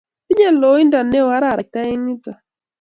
Tinye loindo ne oo araraita eng yutuk